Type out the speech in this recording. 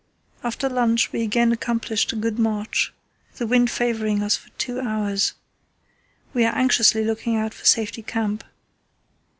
After lunch we again accomplished a good march, the wind favouring us for two hours. We are anxiously looking out for Safety Camp."